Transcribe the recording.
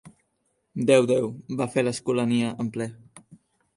Deu deu —va fer l'Escolania en ple.